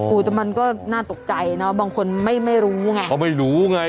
แต่มันก็น่าตกใจเนอะบางคนไม่รู้ไงเขาไม่รู้ไง